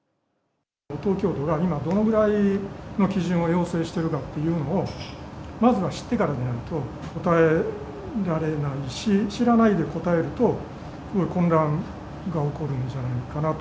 東京都が今どのぐらいの基準を要請しているかというのを、まずは知ってからでないと応えられないし、知らないで答えると、混乱が起こるんじゃないかなと。